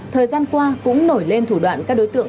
thời gian qua cũng nổi lên thủ đoạn các đối tượng